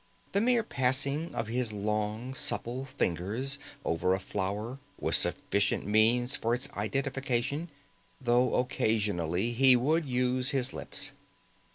The mere passing of his long supple fingers over a flower was sufficient means for its identification, though occasionally he would use his lips.